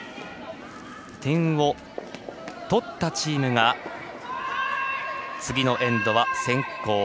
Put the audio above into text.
点を取ったチームが次のエンドは先攻。